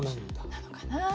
なのかなあ。